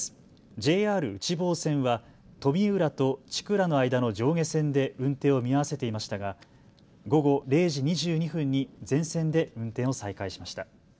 ＪＲ内房線は富浦と千倉の間の上下線で運転を見合わせていましたが午後０時２２分に全線で運転を再開しました。